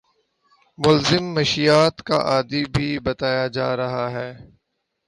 ملزم مشیات کا عادی بھی بتایا جا رہا ہے